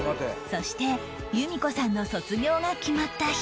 そして由見子さんの卒業が決まった日